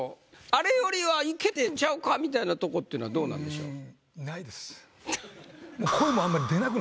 あれよりはいけてんちゃうかみたいなとこっていうのはどうなんでしょう？